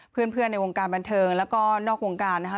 เพื่อนในวงการบันเทิงแล้วก็นอกวงการนะคะ